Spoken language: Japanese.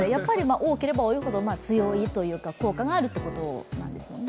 多ければ多いほど強いというか効果があるということなんですよね？